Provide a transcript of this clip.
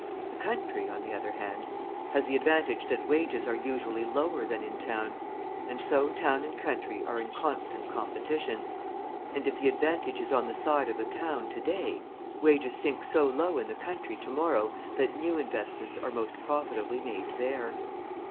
The country, on the other hand, has the advantage that wages are usually lower than in town, and so town and country are in constant competition; and, if the advantage is on the side of the town to day, wages sink so low in the country to morrow, that new investments are most profitably made there.